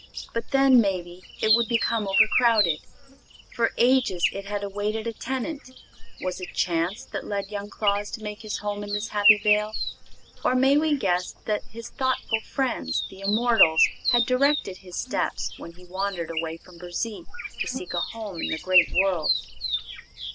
but then, maybe, it would become overcrowded. For ages it had awaited a tenant. Was it chance that led young Claus to make his home in this happy vale? Or may we guess that his thoughtful friends, the immortals, had directed his steps when he wandered away from Burzee to seek a home in the great world?